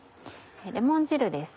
レモン汁です。